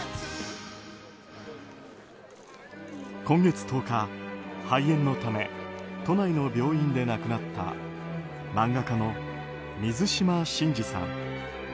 今月１０日、肺炎のため都内の病院で亡くなった漫画家の水島新司さん。